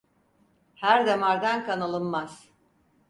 Her damardan kan alınmaz.